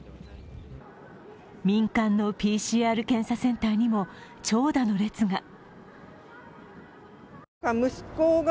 民間のＰＣＲ検査センターにも長蛇の列が。